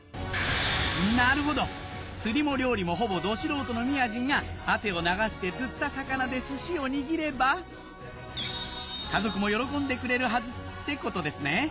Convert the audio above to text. なるほど釣りも料理もほぼド素人の宮治が汗を流して釣った魚で寿司を握ればってことですね